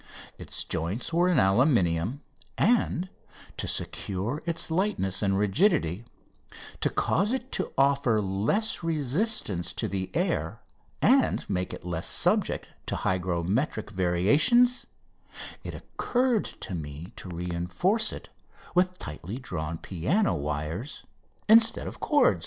Its joints were in aluminium, and, to secure its lightness and rigidity, to cause it to offer less resistance to the air and make it less subject to hygrometric variations, it occurred to me to reinforce it with tightly drawn piano wires instead of cords.